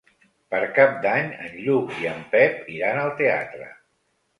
Per Cap d'Any en Lluc i en Pep iran al teatre.